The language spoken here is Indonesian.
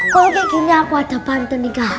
kalau kayak gini aku ada bantu nih kal